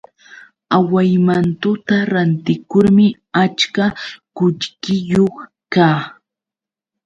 Awaymantuta rantikurmi achka qullqiyuq kaa.